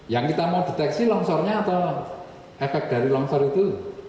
yang kita mau deteksi longsornya atau efek dari longsor itu